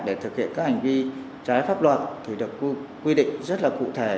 để thực hiện các hành vi trái pháp luật thì được quy định rất là cụ thể